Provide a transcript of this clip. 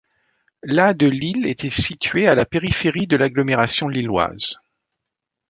La de lille était située à la périphérie de l'agglomération Lilloise.